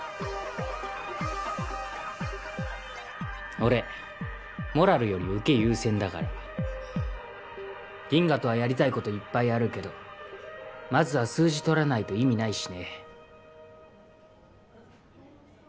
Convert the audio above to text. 俺モラルよりウケ優先だからギンガとはやりたいこといっぱいあるけどまずは数字取らないと意味ないしね